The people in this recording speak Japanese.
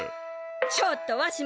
ちょっとわしも！